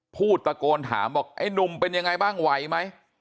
พูดตะโกนถามบอกไอ้หนุ่มเป็นยังไงบ้างไหวไหม